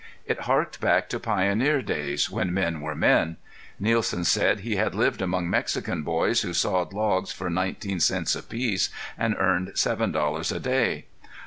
It harked back to pioneer days when men were men. Nielsen said he had lived among Mexican boys who sawed logs for nineteen cents apiece and earned seven dollars a day.